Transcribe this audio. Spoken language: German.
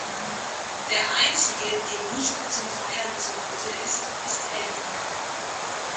Der Einzige, dem nicht zum Feiern zumute ist, ist Eddie.